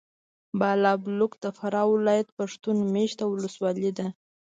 بالابلوک د فراه ولایت پښتون مېشته ولسوالي ده.